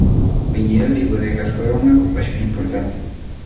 Viñedos y bodegas fueron una ocupación importante.